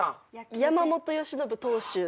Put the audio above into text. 山本由伸投手。